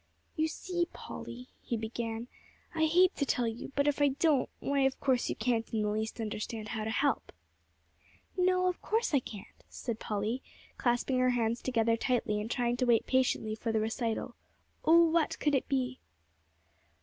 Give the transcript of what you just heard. "You see, Polly," he began, "I hate to tell you, but if I don't, why of course you can't in the least understand how to help." "No, of course I can't," said Polly, clasping her hands together tightly, and trying to wait patiently for the recital. Oh, what could it be!